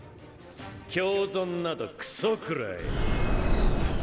共存などクソくらえ！